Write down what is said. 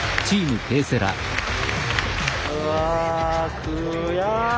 うわ悔しい。